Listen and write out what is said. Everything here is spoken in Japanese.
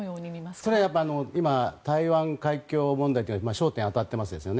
それは台湾海峡問題に焦点当たってますよね。